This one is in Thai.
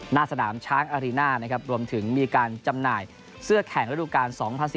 หน้าสนามช้างอารีน่านะครับรวมถึงมีการจำหน่ายเสื้อแข่งระดูการ๒๐๑๙